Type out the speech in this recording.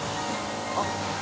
あっ！